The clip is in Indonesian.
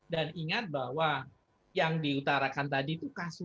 dan ingat bahwa yang diutarakan tadi itu kan tidak ada penekanan